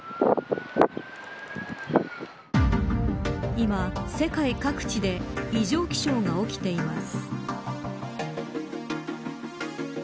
今、世界各地で異常気象が起きています。